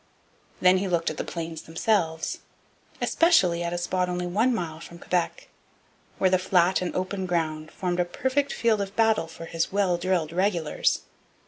Then he looked at the Plains themselves, especially at a spot only one mile from Quebec, where the flat and open ground formed a perfect field of battle for his well drilled regulars.